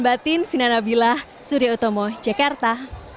batin finanabilah surya utomo jakarta